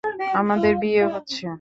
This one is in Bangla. আমাদের বিয়ে হচ্ছে।